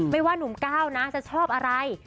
ว่านุ่มก้าวนะจะชอบอะไร